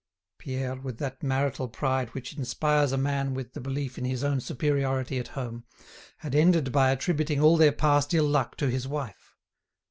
Pierre, with that marital pride which inspires a man with the belief in his own superiority at home, had ended by attributing all their past ill luck to his wife.